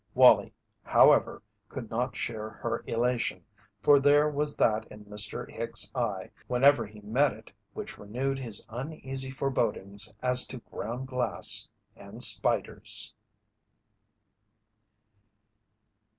Wallie, however, could not share her elation, for there was that in Mr. Hicks' eye whenever he met it which renewed his uneasy forebodings as to ground glass and spiders.